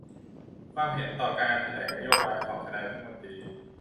ความเห็นต่อการแถลงนโยบายของคณะรัฐมนตรี